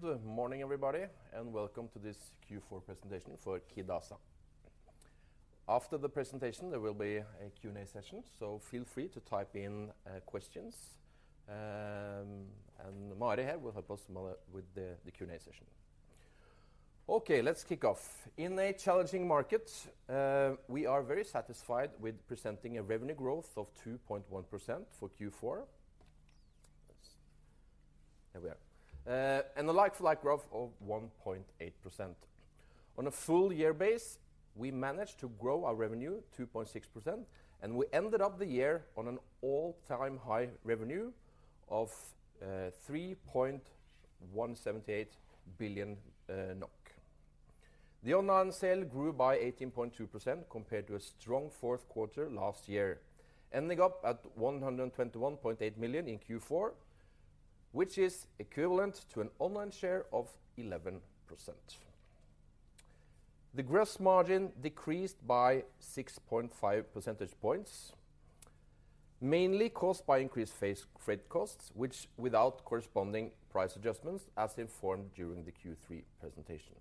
Good morning, everybody, and welcome to this Q4 presentation for Kid ASA. After the presentation, there will be a Q&A session, so feel free to type in questions. Mari here will help us with the Q&A session. Okay, let's kick off. In a challenging market, we are very satisfied with presenting a revenue growth of 2.1% for Q4. Yes. There we are. The like-for-like growth of 1.8%. On a full year base, we managed to grow our revenue 2.6%, and we ended up the year on an all-time high revenue of 3.178 billion NOK. The online sale grew by 18.2% compared to a strong fourth quarter last year, ending up at 121.8 million in Q4, which is equivalent to an online share of 11%. The gross margin decreased by 6.5 percentage points, mainly caused by increased freight costs, which without corresponding price adjustments as informed during the Q3 presentation.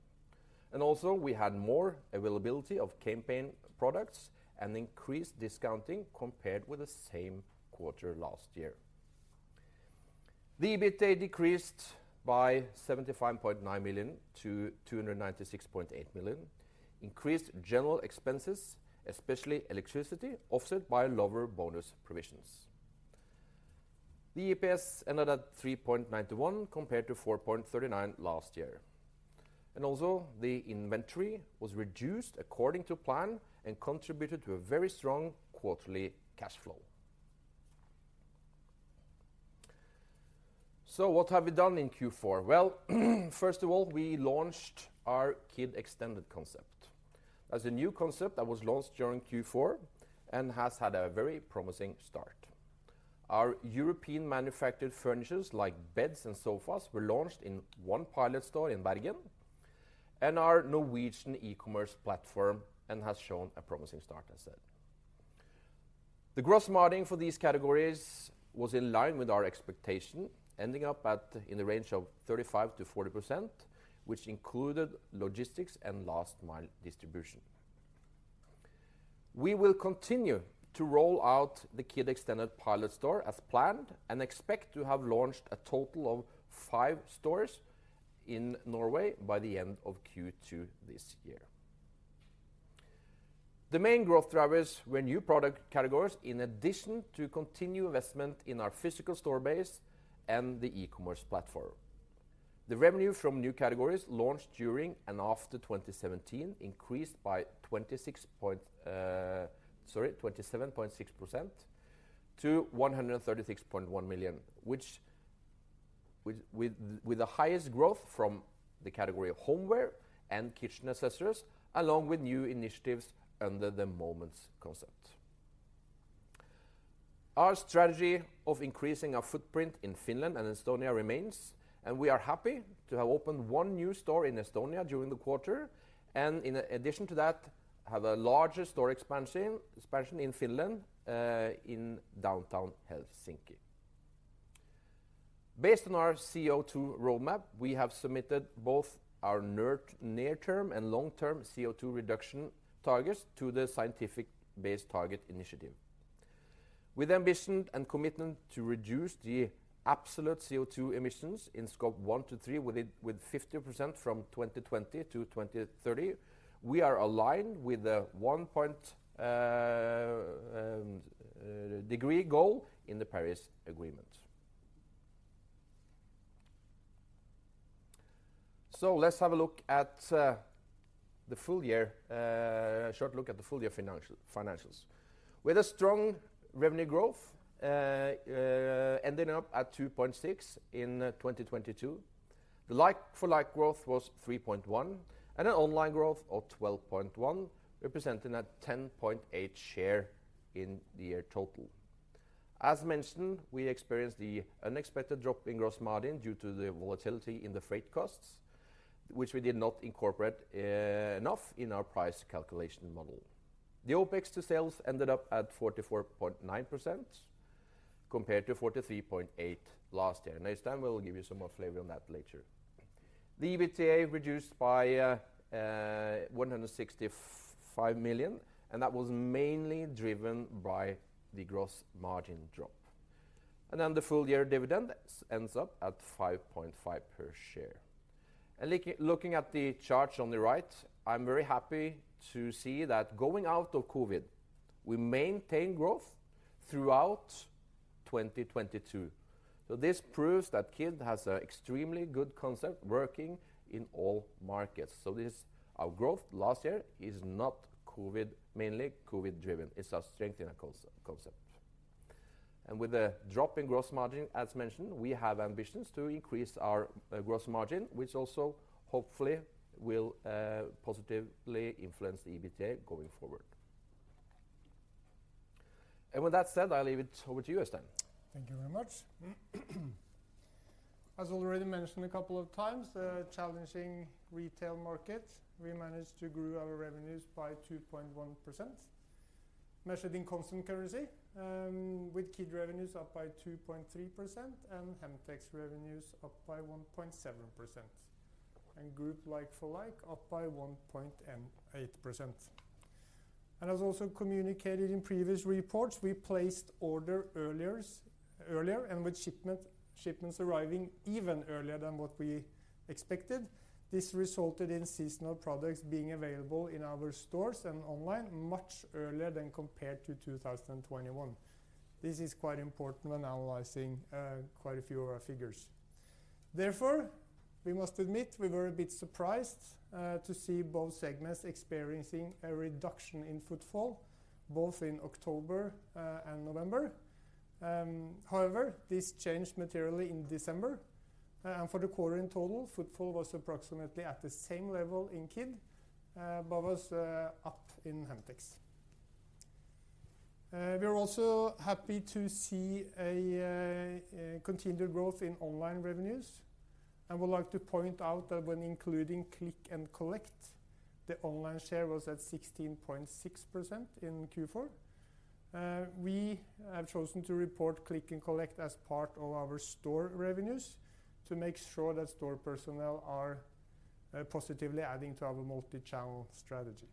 Also, we had more availability of campaign products and increased discounting compared with the same quarter last year. The EBITDA decreased by 75.9 million to 296.8 million, increased general expenses, especially electricity, offset by lower bonus provisions. The EPS ended at 3.91 compared to 4.39 last year. Also, the inventory was reduced according to plan and contributed to a very strong quarterly cash flow. What have we done in Q4? First of all, we launched our Kid Extended Concept. As a new concept that was launched during Q4 and has had a very promising start. Our European manufactured furnitures like beds and sofas were launched in 1 pilot store in Bergen and our Norwegian e-commerce platform has shown a promising start, as I said. The gross margin for these categories was in line with our expectation, ending up at, in the range of 35%–40%, which included logistics and last-mile distribution. We will continue to roll out the Kid Extended pilot store as planned and expect to have launched a total of five stores in Norway by the end of Q2 this year. The main growth drivers were new product categories in addition to continued investment in our physical store base and the e-commerce platform. The revenue from new categories launched during and after 2017 increased by 27.6% to NOK 136.1 million, which with the highest growth from the category of homeware and kitchen accessories, along with new initiatives under the Moments concept. Our strategy of increasing our footprint in Finland and Estonia remains, and we are happy to have opened one new store in Estonia during the quarter, and in addition to that, have a larger store expansion in Finland in Downtown Helsinki. Based on our CO2 roadmap, we have submitted both our near-term and long-term CO2 reduction targets to the Science Based Targets initiative. With ambition and commitment to reduce the absolute CO2 emissions in Scope 1 to 3 with 50% from 2020 to 2030, we are aligned with the 1-degree goal in the Paris Agreement. Let's have a look at the full year short look at the full year financials. With a strong revenue growth, ending up at 2.6 in 2022, the like-for-like growth was 3.1% and an online growth of 12.1% representing a 10.8% share in the year total. As mentioned, we experienced the unexpected drop in gross margin due to the volatility in the freight costs, which we did not incorporate enough in our price calculation model. The OpEx to sales ended up at 44.9% compared to 43.8% last year. Øystein will give you some more flavor on that later. The EBITDA reduced by 165 million, and that was mainly driven by the gross margin drop. The full year dividend ends up at 5.5 per share. Looking at the charts on the right, I'm very happy to see that going out of COVID, we maintain growth throughout 2022. This proves that Kid has a extremely good concept working in all markets. This, our growth last year is not COVID, mainly COVID driven. It's a strength in our concept. With the drop in gross margin, as mentioned, we have ambitions to increase our gross margin, which also hopefully will positively influence the EBITDA going forward. With that said, I leave it over to you, Øystein. Thank you very much. As already mentioned a couple of times, the challenging retail market, we managed to grow our revenues by 2.1%. Measured in constant currency, with Kid revenues up by 2.3% and Hemtex revenues up by 1.7% and group like-for-like up by 1.8%. As also communicated in previous reports, we placed order earlier and with shipments arriving even earlier than what we expected. This resulted in seasonal products being available in our stores and online much earlier than compared to 2021. This is quite important when analyzing quite a few of our figures. Therefore, we must admit we were a bit surprised to see both segments experiencing a reduction in footfall, both in October and November. However, this changed materially in December, for the quarter in total, footfall was approximately at the same level in Kid, but was up in Hemtex. We are also happy to see a continued growth in online revenues and would like to point out that when including Click and Collect, the online share was at 16.6% in Q4. We have chosen to report Click and Collect as part of our store revenues to make sure that store personnel are positively adding to our multichannel strategy.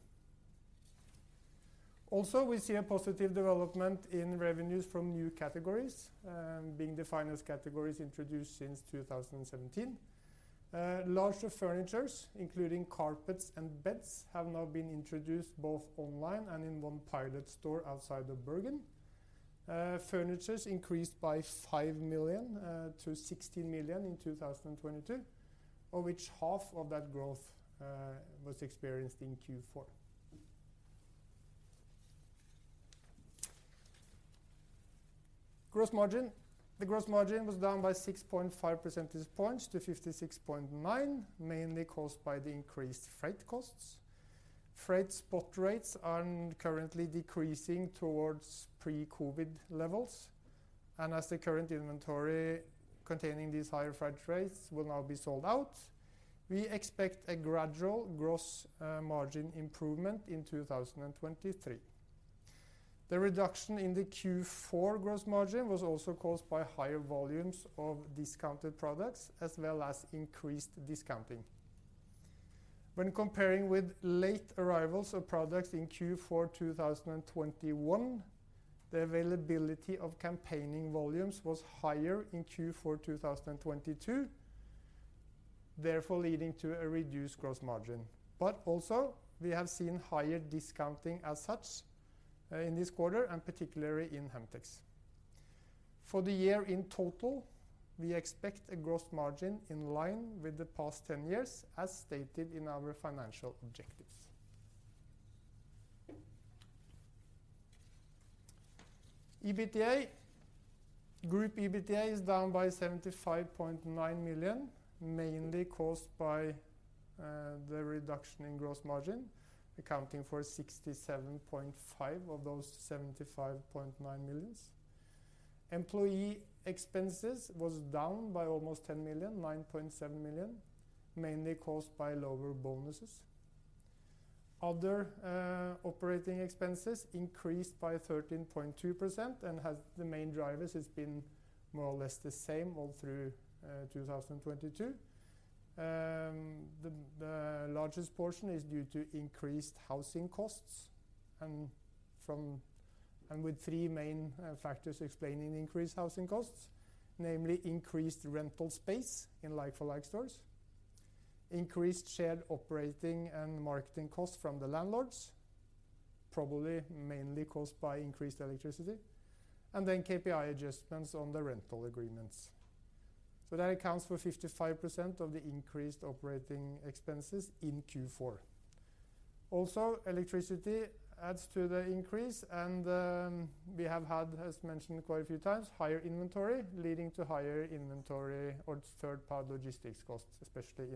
Also, we see a positive development in revenues from new categories, being defined as categories introduced since 2017. Larger furniture, including carpets and beds, have now been introduced both online and in one pilot store outside of Bergen. Furniture increased by 5 million to 16 million in 2022, of which half of that growth was experienced in Q4. Gross margin. The gross margin was down by 6.5 percentage points to 56.9%, mainly caused by the increased freight costs. Freight spot rates are currently decreasing towards pre-COVID levels, and as the current inventory containing these higher freight rates will now be sold out, we expect a gradual gross margin improvement in 2023. The reduction in the Q4 gross margin was also caused by higher volumes of discounted products as well as increased discounting. When comparing with late arrivals of products in Q4 2021, the availability of campaigning volumes was higher in Q4 2022, therefore leading to a reduced gross margin. Also we have seen higher discounting as such, in this quarter, and particularly in Hemtex. For the year in total, we expect a gross margin in line with the past 10 years, as stated in our financial objectives. EBITDA. Group EBITDA is down by 75.9 million, mainly caused by the reduction in gross margin, accounting for 67.5 of those 75.9 million. Employee expenses was down by almost 10 million, 9.7 million, mainly caused by lower bonuses. Other operating expenses increased by 13.2% and the main drivers has been more or less the same all through 2022. The, the largest portion is due to increased housing costs and with three main factors explaining increased housing costs, namely increased rental space in like-for-like stores, increased shared operating and marketing costs from the landlords, probably mainly caused by increased electricity, and then KPI adjustments on the rental agreements. That accounts for 55% of the increased operating expenses in Q4. Electricity adds to the increase, and we have had, as mentioned quite a few times, higher inventory leading to higher inventory or third-party logistics costs, especially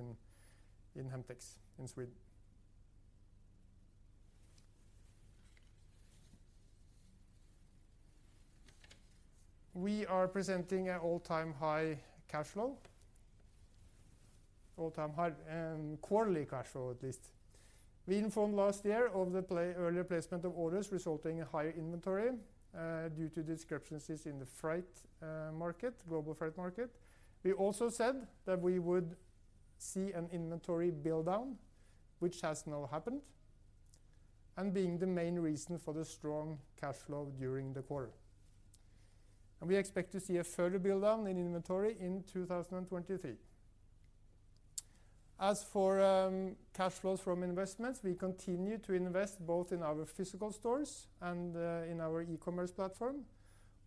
in Hemtex in Sweden. We are presenting an all-time high cash flow. All-time high quarterly cash flow at least. We informed last year of the early placement of orders resulting in higher inventory due to discrepancies in the freight market, global freight market. We also said that we would see an inventory build-down, which has now happened and being the main reason for the strong cash flow during the quarter. We expect to see a further build down in inventory in 2023. As for cash flows from investments, we continue to invest both in our physical stores and in our e-commerce platform,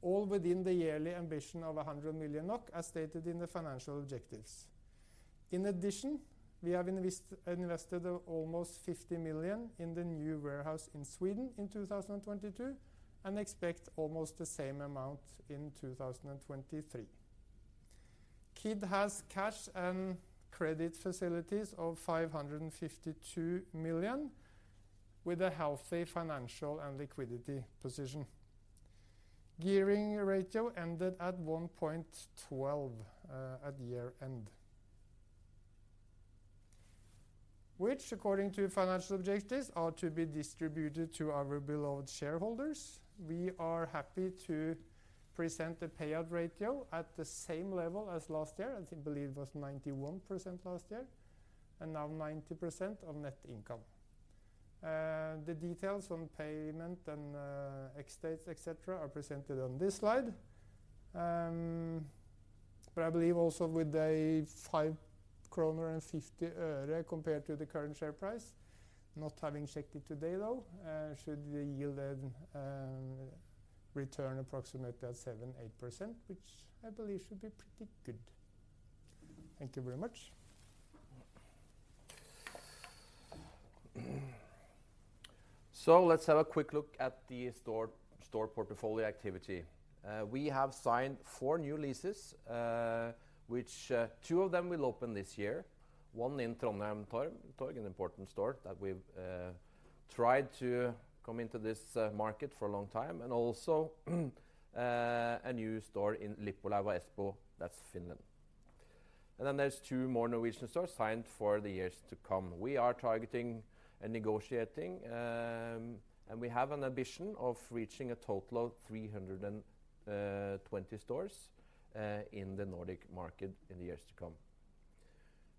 all within the yearly ambition of 100 million NOK, as stated in the financial objectives. In addition, we have invested almost 50 million NOK in the new warehouse in Sweden in 2022 and expect almost the same amount in 2023. Kid has cash and credit facilities of 552 million NOK with a healthy financial and liquidity position. Gearing ratio ended at 1.12 at year-end. Which, according to financial objectives, are to be distributed to our beloved shareholders. We are happy to present the payout ratio at the same level as last year, I think, believe it was 91% last year, and now 90% of net income. The details on payment and ex-dates, et cetera, are presented on this slide. I believe also with 5.50 kroner compared to the current share price, not having checked it today, though, should yield a return approximately at 7%-8%, which I believe should be pretty good. Thank you very much. Let's have a quick look at the store portfolio activity. We have signed four new leases, which, two of them will open this year, one in Trondheim Torg, an important store that we've tried to come into this market for a long time, and also a new store in Lippulaiva Espoo, that's Finland. Then there's two more Norwegian stores signed for the years to come. We are targeting and negotiating, and we have an ambition of reaching a total of 320 stores in the Nordic market in the years to come.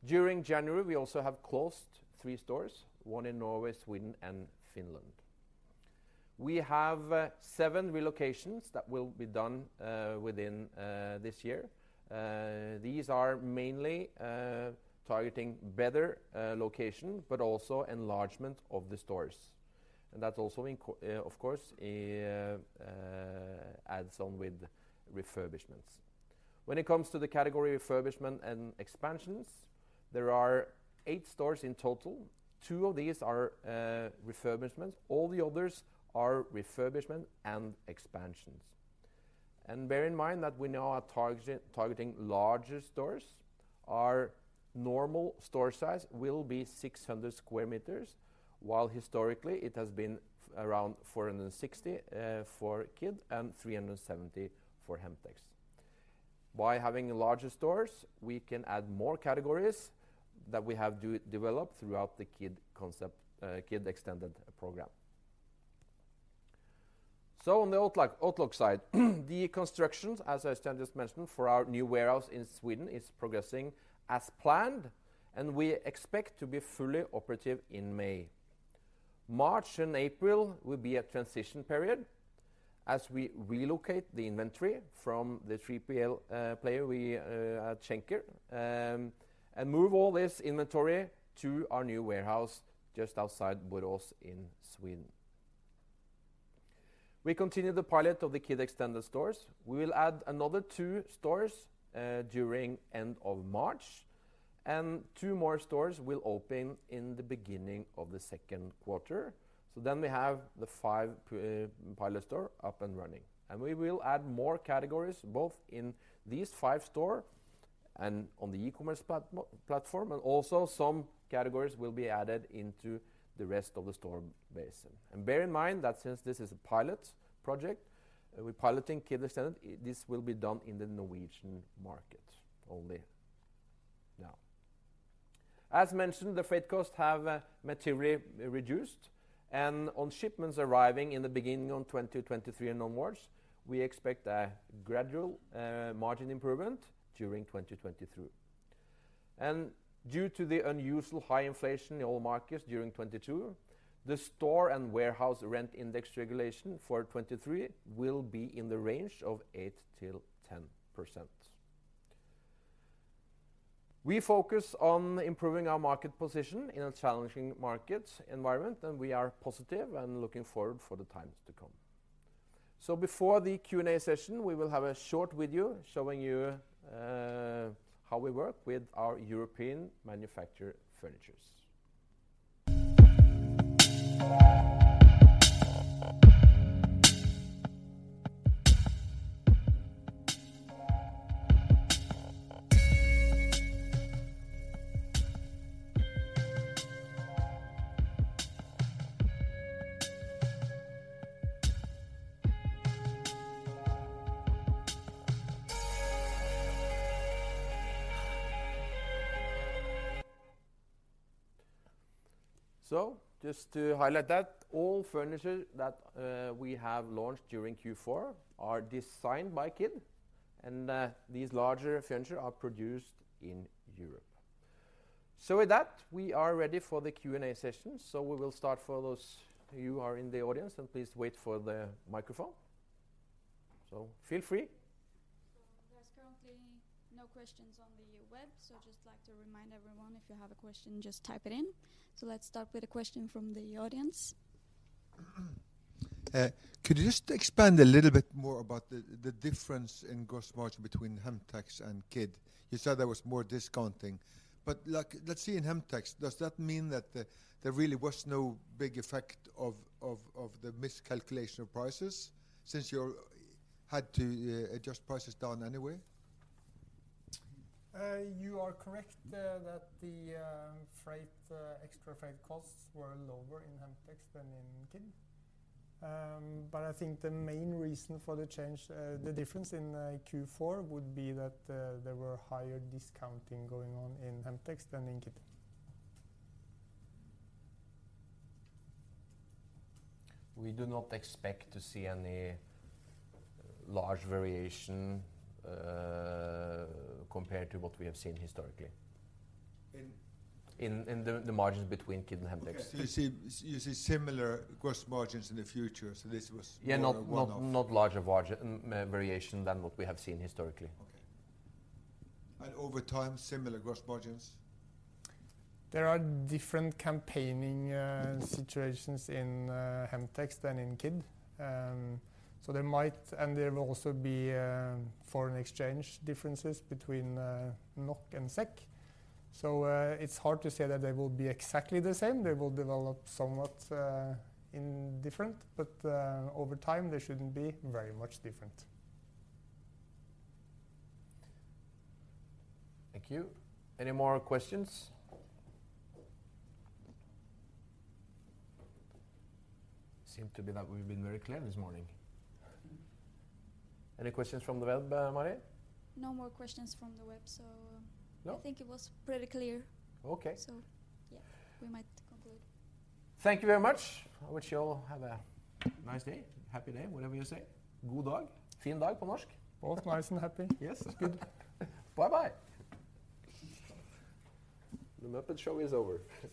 During January, we also have closed three stores, one in Norway, Sweden, and Finland. We have seven relocations that will be done within this year. These are mainly targeting better location, but also enlargement of the stores. That's also, of course, adds on with refurbishments. When it comes to the category refurbishment and expansions, there are 8 stores in total. 2 of these are refurbishment. All the others are refurbishment and expansions. Bear in mind that we now are targeting larger stores. Our normal store size will be 600 square meters, while historically it has been around 460 for Kid and 370 for Hemtex. By having larger stores, we can add more categories that we have de-developed throughout the Kid concept, Kid Extended program. On the outlook side, the constructions, as Øystein just mentioned, for our new warehouse in Sweden is progressing as planned, and we expect to be fully operative in May. March and April will be a transition period as we relocate the inventory from the 3PL player, we, Schenker, and move all this inventory to our new warehouse just outside Borås in Sweden. We continue the pilot of the Kid Extended stores. We will add another two stores during end of March, and two more stores will open in the beginning of the second quarter. We have the five pilot store up and running, and we will add more categories, both in these five store and on the e-commerce platform, and also some categories will be added into the rest of the store base. Bear in mind that since this is a pilot project, we're piloting Kid Extended, this will be done in the Norwegian market only now. As mentioned, the freight costs have materially reduced, and on shipments arriving in the beginning of 2023 and onwards, we expect a gradual margin improvement during 2023. Due to the unusual high inflation in all markets during 2022, the store and warehouse rent index regulation for 2023 will be in the range of 8%-10%. We focus on improving our market position in a challenging market environment, and we are positive and looking forward for the times to come. Before the Q&A session, we will have a short video showing you how we work with our European manufacturer furnitures. Just to highlight that, all furniture that we have launched during Q4 are designed by Kid, and these larger furniture are produced in Europe. With that, we are ready for the Q&A session. We will start for those of you who are in the audience, and please wait for the microphone. Feel free. There's currently no questions on the web, so just like to remind everyone, if you have a question, just type it in. Let's start with a question from the audience. Could you just expand a little bit more about the difference in gross margin between Hemtex and Kid? You said there was more discounting. Like, let's say in Hemtex, does that mean that there really was no big effect of the miscalculation of prices since you had to adjust prices down anyway? You are correct, that the freight, extra freight costs were lower in Hemtex than in Kid. I think the main reason for the change, the difference in Q4 would be that there were higher discounting going on in Hemtex than in Kid. We do not expect to see any large variation, compared to what we have seen historically. In? In the margins between Kid and Hemtex. Okay. You see similar gross margins in the future. This was more a one-off. Yeah, not larger variation than what we have seen historically. Okay. Over time, similar gross margins? There are different campaigning situations in Hemtex than in Kid. There will also be foreign exchange differences between NOK and SEK. It's hard to say that they will be exactly the same. They will develop somewhat in different, but over time, they shouldn't be very much different. Thank you. Any more questions? Seem to be that we've been very clear this morning. Any questions from the web, Mari? No more questions from the web. No?... I think it was pretty clear. Okay. Yeah, we might conclude. Thank you very much. I wish you all have a nice day, happy day, whatever you say. God dag. Fin dag på norsk. Both nice and happy. Yes, it's good. Bye-bye. The Muppet Show is over.